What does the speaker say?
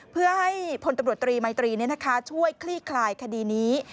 เพื่อให้พลตำรวจตรีมัยตรีช่วยคลี่คลายคดีนี้